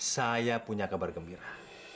saya punya kabar gembira